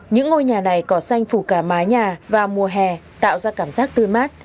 những ngôi nhà này có xanh phủ cả mái nhà vào mùa hè tạo ra cảm giác tươi mát